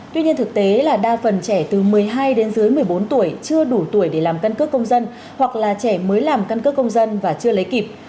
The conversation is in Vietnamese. tuy nhiên thực tế là đa phần trẻ từ một mươi hai đến dưới một mươi bốn tuổi chưa đủ tuổi để làm căn cước công dân hoặc là trẻ mới làm căn cước công dân và chưa lấy kịp